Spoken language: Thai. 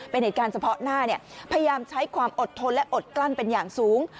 เป็นเหตุการณ์เฉพาะหน้าพยายามใช้ความอดทนและอดกลั้นเป็นอย่างสูง